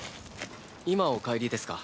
今お帰りですか？